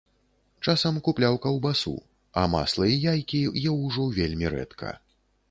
Часам купляў каўбасу, а масла і яйкі еў ужо вельмі рэдка.